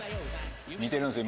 見てるんですよ